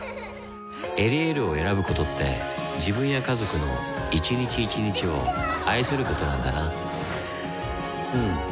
「エリエール」を選ぶことって自分や家族の一日一日を愛することなんだなうん。